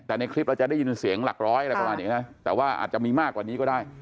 แต่ในคลิปเราจะได้ยินเสียงหลักร้อยอะไรประมาณอย่างนี้นะแต่ว่าอาจจะมีมากกว่านี้ก็ได้